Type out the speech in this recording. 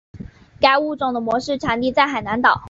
该物种的模式产地在海南岛。